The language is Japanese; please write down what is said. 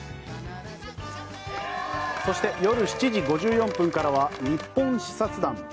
そして夜７時５４分からは「ニッポン視察団」。